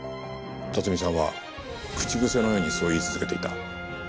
辰巳さんは口癖のようにそう言い続けていた。